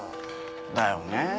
だよね。